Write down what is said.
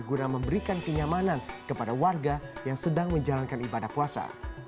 guna memberikan kenyamanan kepada warga yang sedang menjalankan ibadah puasa